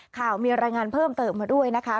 ข่าวมีรายงานเพิ่มเติมมาด้วยนะคะ